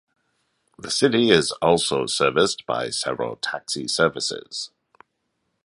The city is also serviced by several taxi services.